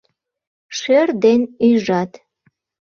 Шӧр ден ӱйжат.